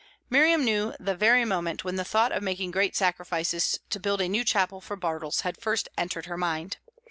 Miriam knew the very moment when the thought of making great sacrifices to build a new chapel for Bartles had first entered her mind.